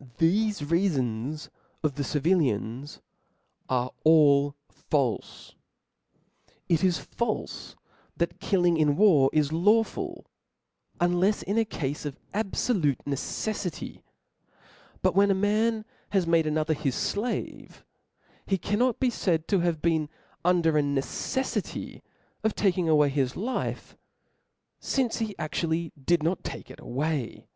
Thefe reafons of the civilians are all falfe. It is falfe that killing in war is lawful, unlefs in a cafe of abfolute neceffity : but when a man has made another hisr flavc, he cannot be faid to have been under a neceffity of taking away his life, fincc he adually did hot take it away.